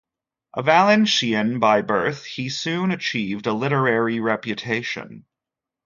A Valencian by birth, he soon achieved a literary reputation.